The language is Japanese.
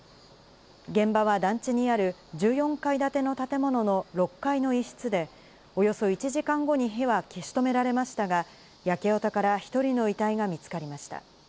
現場は団地にある１４階建ての建物の６階の一室で、およそ１時間後に火は消し止められましたが、焼け跡から１人の遺体が見つかりました。